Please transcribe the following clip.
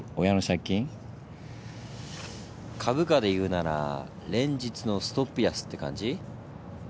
株価でいうなら連日のストップ安って感じ？